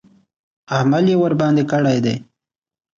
عمل یې ورباندې کړی دی.